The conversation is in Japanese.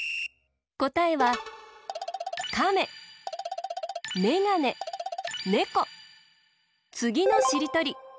こたえはつぎのしりとり。